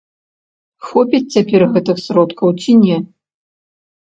Хопіць цяпер гэтых сродкаў ці не?